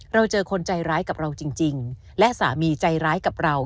เราเจอคนใจร้ายกับเราจริงและสามีใจร้ายกับเรา